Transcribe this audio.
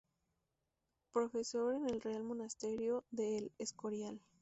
Profesor en el Real Monasterio de El Escorial.